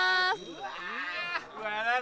うわ！